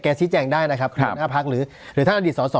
แกชี้แจ้งได้นะครับหรือท่านอดีตสอสอ